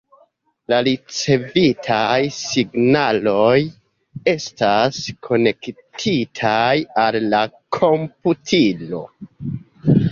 La ricevitaj signaloj estas konektitaj al la komputilo.